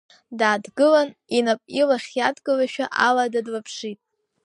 Дааҭгылан, инап илахь иадкылашәа алада длаԥшит.